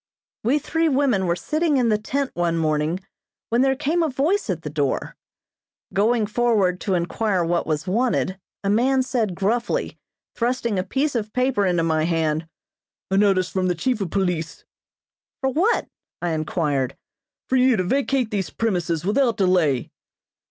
We three women were sitting in the tent one morning when there came a voice at the door. Going forward to enquire what was wanted, a man said gruffly, thrusting a piece of paper into my hand. "A notice from the chief of police." "For what?" I inquired. "For you, to vacate these premises without delay."